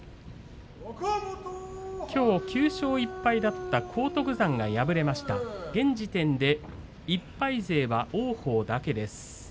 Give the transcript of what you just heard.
きょう９勝１敗だった荒篤山が敗れました、現時点で１敗勢は王鵬だけです。